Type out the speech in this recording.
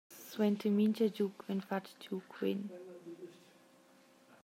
Suenter mintga giug vegn fatg giu quen.